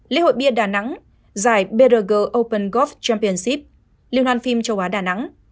lễ hội bia đà nẵng giải brg open gof championship liên hoan phim châu á đà nẵng